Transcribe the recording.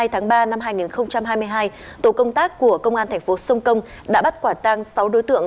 hai mươi tháng ba năm hai nghìn hai mươi hai tổ công tác của công an thành phố sông công đã bắt quả tang sáu đối tượng